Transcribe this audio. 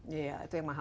ya itu yang mahal mahal